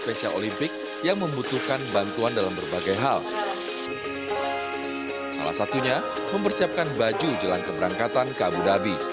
pada saat ini para sukarelawan berkumpul dengan para atlet